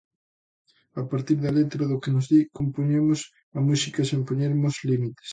A partir da letra, do que nos di, compoñemos a música, sen poñernos límites.